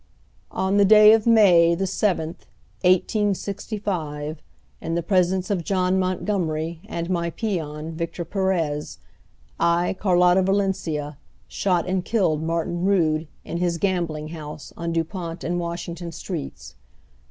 "On the day of May the seventh, 1865, in the presence of John Montgomery and my peon, Victor Perez, I, Carlotta Valencia, shot and killed Martin Rood in his gambling house on Dupont and Washington Streets.